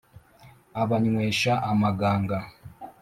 abanywesha amaganga